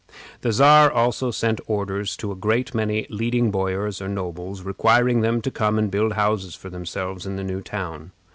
The Czar also sent orders to a great many leading boyars or nobles, requiring them to come and build houses for themselves in the new town.